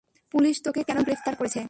Police তোকে কেন গ্রেফতার করেছে?